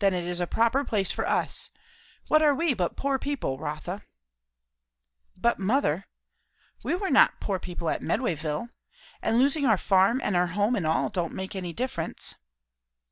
"Then it is a proper place for us. What are we but poor people, Rotha?" "But mother, we were not poor people at Medwayville? And losing our farm and our home and all, don't make any difference."